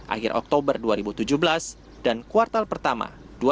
akhir oktober dua ribu tujuh belas dan kuartal pertama dua ribu delapan belas